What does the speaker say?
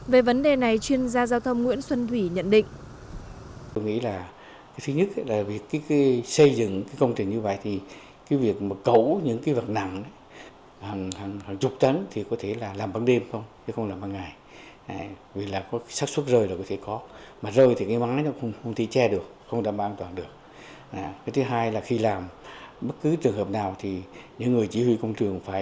về vấn đề này chuyên gia giao thông nguyễn xuân thủy nhận định